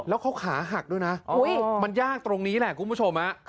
แล้วเขาขาหักด้วยนะมันยากตรงนี้แหละคุณผู้ชม